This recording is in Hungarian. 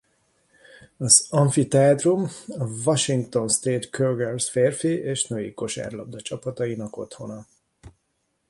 Az amfiteátrum a Washington State Cougars férfi és női kosárlabdacsapatainak otthona.